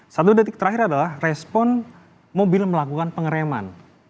satu detik terakhir adalah respon mobil melakukan pengereman